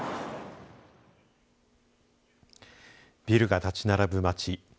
ビルが立ち並ぶ街。